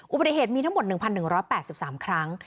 อุบัติเหตุมีทั้งหมด๑๑๘๓ครั้ง